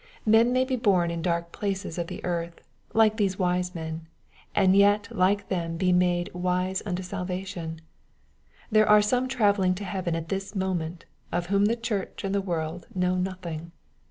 Men may be bom in dark places of the earth, like these wise men, and yet like them be made " wise imto salva tion." There are some travelling to heaven at this mo ment, of whom the church and the world know nothing.